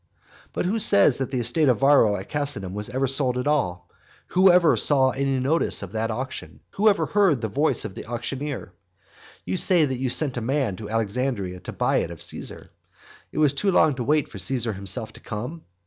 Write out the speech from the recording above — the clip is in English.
But who says that the estate of Varro at Casinum was ever sold at all? who ever saw any notice of that auction? Who ever heard the voice of the auctioneer? You say that you sent a man to Alexandria to buy it of Caesar. It was too long to wait for Caesar himself to come!